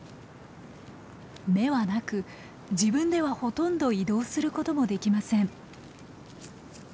目はなく自分ではほとんど移動することもできません。